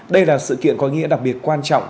đây là sự kiện có ý nghĩa đặc biệt quan trọng